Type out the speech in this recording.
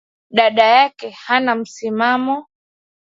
Dada yake hana msimamo